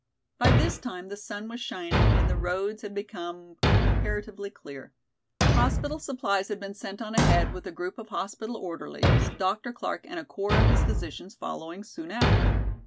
By this time the sun was shining and the roads had become comparatively clear. Hospital supplies had been sent on ahead with a group of hospital orderlies, Dr. Clark and a corps of his physicians following soon after.